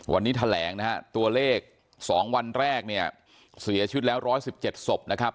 วันนี้แถลงนะฮะตัวเลข๒วันแรกเนี่ยเสียชีวิตแล้ว๑๑๗ศพนะครับ